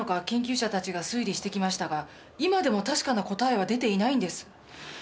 研究者たちが推理してきましたが今でも確かな答えは出ていないんです。